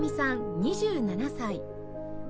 ２７歳